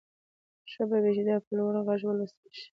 ښه به وي چې دا په لوړ غږ ولوستل شي